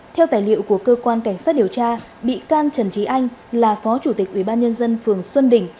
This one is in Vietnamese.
theo tài liệu của cơ quan cảnh sát điều tra bị can trần trí anh là phó chủ tịch ủy ban nhân dân phường xuân đỉnh